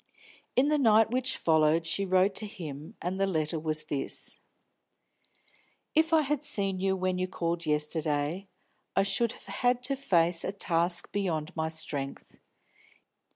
In the night which followed she wrote to him, and the letter was this: "If I had seen you when you called yesterday, I should have had to face a task beyond my strength.